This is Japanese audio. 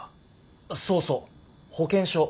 あっそうそう保険証。